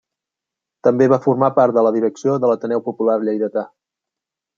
També va formar part de la direcció de l'Ateneu Popular Lleidatà.